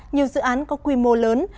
nhiều dự án có quy mô lớn